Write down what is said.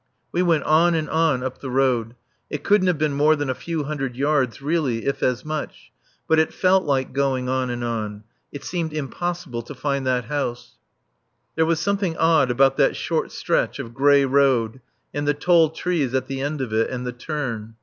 We went on and on up the road. It couldn't have been more than a few hundred yards, really, if as much; but it felt like going on and on; it seemed impossible to find that house. There was something odd about that short stretch of grey road and the tall trees at the end of it and the turn.